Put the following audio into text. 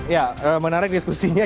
ya menarik diskusinya